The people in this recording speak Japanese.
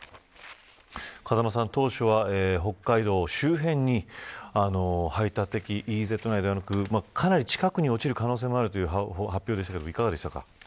風間さん、当初は北海道周辺に排他的経済水域かなり近くに落ちる可能性もあるとの発表でしたがいかがでしたか。